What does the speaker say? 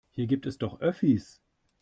Hier gibt es doch Öffis.